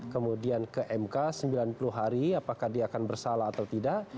kemudian ke mk sembilan puluh hari apakah dia akan bersalah atau tidak